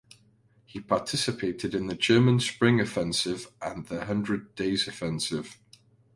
He participated in the German spring offensive and the Hundred Days Offensive.